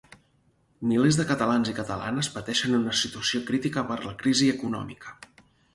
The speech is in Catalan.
Milers de catalans i catalanes pateixen una situació crítica per la crisi econòmica.